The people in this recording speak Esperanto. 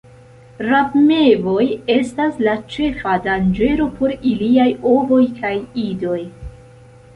Rabmevoj estas la ĉefa danĝero por iliaj ovoj kaj idoj.